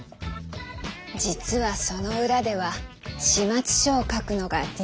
実はその裏では始末書を書くのが日常